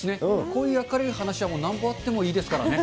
こういう明るい話は、なんぼあってもいいですからね。